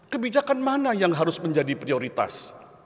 kebijakan mana yang harus menjadi prioritas